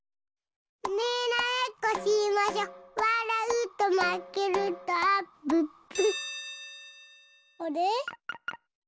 にらめっこしましょわらうとまけるとあっぷっぷあれ？